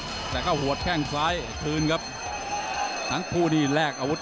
ตรงตรายกใครได้